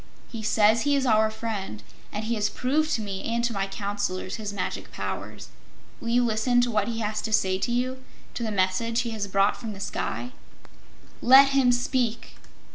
He says he is our friend, and he has proved to me and to my Counselors his magic powers. Will you listen to what he has to say to you to the message he has brought from the sky?" "Let him speak!"